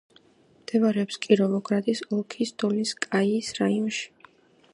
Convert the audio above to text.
მდებარეობს კიროვოგრადის ოლქის დოლინსკაიის რაიონში.